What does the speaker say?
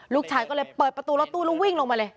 ลูกชายก็เลยเปิดประตูรถตู้แล้ววิ่งลงมาเลย